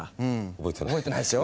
覚えてないでしょ。